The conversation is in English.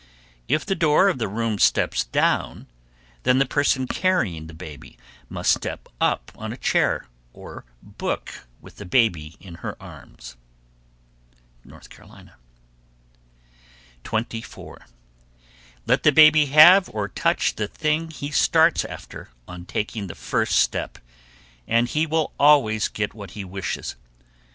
If the door of the room steps down, then the person carrying the baby must step up on a chair or book with the baby in her arms. North Carolina. 24. Let the baby have or touch the thing he starts after on taking the first step, and he will always get what he wishes.